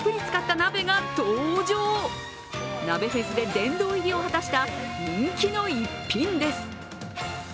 鍋フェスで殿堂入りを果たした人気の逸品です。